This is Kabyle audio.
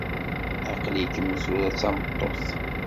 Aql-ikem tura d tameṭṭut